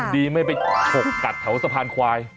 ดีไม่ไปฉกกัดแถวสะพานควาย